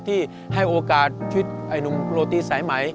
ที่ให้โอกาสชุดไอนุมโรตี้สายไหม